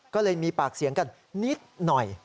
ก็เลยมีปากเสียงกันนิดหน่อย